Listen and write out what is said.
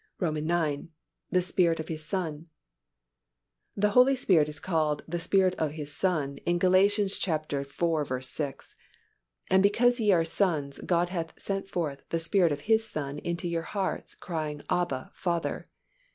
IX. The Spirit of His Son. The Holy Spirit is called the Spirit of His Son in Gal. iv. 6, "And because ye are sons, God hath sent forth the Spirit of His Son into your hearts, crying, Abba, Father."